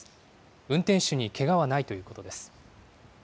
運転手にけがはないということです。